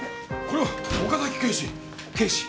これは岡崎警視！